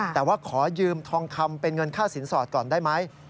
แต่ว่าขอยืมทองคำเป็นเงินค่าสินสอดก่อนได้ไหม